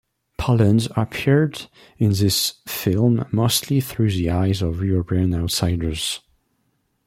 Poland appeared in these films mostly through the eyes of European outsiders.